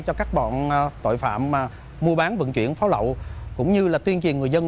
cho các bọn tội phạm mua bán vận chuyển pháo lậu cũng như là tuyên truyền người dân